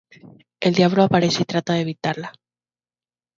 El diablo aparece y trata de evitarla.